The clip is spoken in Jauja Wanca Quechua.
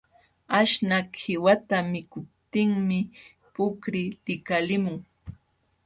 Aśhnaq qiwata mikuptinmi puqri likalimun.